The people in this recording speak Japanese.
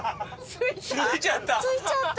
着いちゃった！